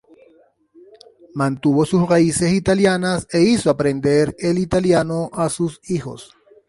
Mantuvo sus raíces italianas e hizo aprender el "italiano" a sus hijos.